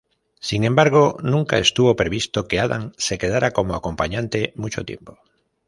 Sin embargo, nunca estuvo previsto que Adam se quedará como acompañante mucho tiempo.